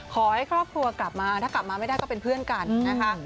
ขอให้ครอบครัวกลับมาถ้ากลับมาไม่ได้ก็เป็นเพื่อนกันนะคะ